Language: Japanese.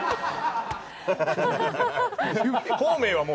孔明はもう。